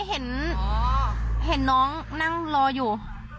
เห็นน้องนั่งรออยู่